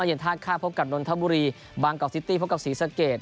อ้อนเย็นทาคานทับบุรีบางกอกสิตี้สีสะเกจ